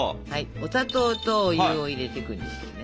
お砂糖とお湯を入れていくんですけどね。